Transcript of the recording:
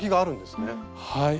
はい。